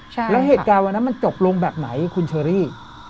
แล้วเหตุการณ์วันนั้นมันจบลงแบบไหนคุณเชอรี่